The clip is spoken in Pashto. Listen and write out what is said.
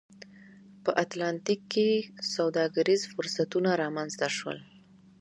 په اتلانتیک کې سوداګریز فرصتونه رامنځته شول